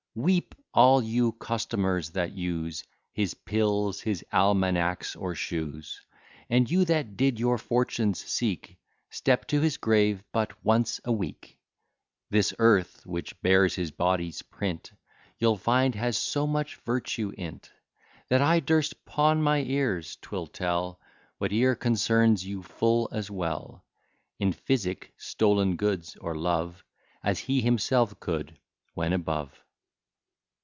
Weep, all you customers that use His pills, his almanacks, or shoes; And you that did your fortunes seek, Step to his grave but once a week; This earth, which bears his body's print, You'll find has so much virtue in't, That I durst pawn my ears, 'twill tell Whate'er concerns you full as well, In physic, stolen goods, or love, As he himself could, when above.